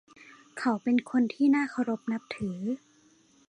เขาเป็นคนที่น่าเคารพนับถือ